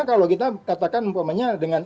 kalau kita katakan umpamanya dengan